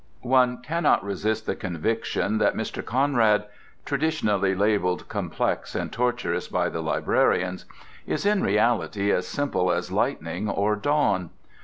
One cannot resist the conviction that Mr. Conrad, traditionally labelled complex and tortuous by the librarians, is in reality as simple as lightning or dawn.